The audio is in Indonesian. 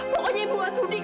pokoknya ibu gak sudi